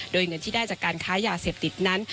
โดยเงินที่ได้จากการค้ายาเสพติดนั้น